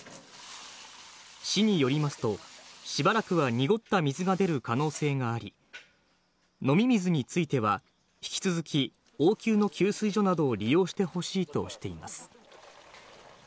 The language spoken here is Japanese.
市によりますと、しばらくは濁った水が出る可能性があり、飲み水については、引き続き応急の給水所などを利用してほしいとしています。